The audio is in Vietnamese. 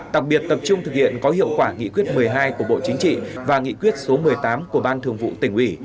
đặc biệt tập trung thực hiện có hiệu quả nghị quyết một mươi hai của bộ chính trị và nghị quyết số một mươi tám của ban thường vụ tỉnh ủy